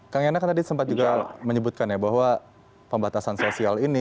kang yana kan tadi sempat juga menyebutkan ya bahwa pembatasan sosial ini